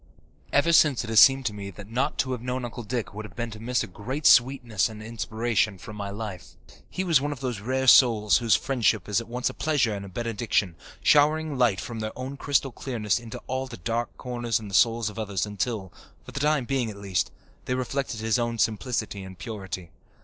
Ever since it has seemed to me that not to have known Uncle Dick would have been to miss a great sweetness and inspiration from my life. He was one of those rare souls whose friendship is at once a pleasure and a benediction, showering light from their own crystal clearness into all the dark corners in the souls of others until, for the time being at least, they reflected his own simplicity and purity.